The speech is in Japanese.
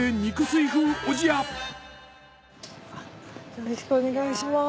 よろしくお願いします。